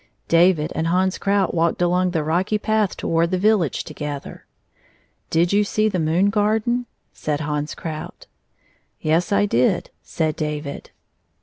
David and Hans Krout walked along the rocky path toward the village together. " Did you see the moon garden 1 " said Hans Krout. " Yes ; I did," said David.